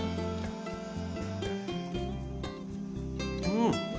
うん。